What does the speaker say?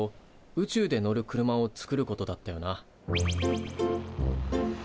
宇宙で乗る車を作ることだったよな。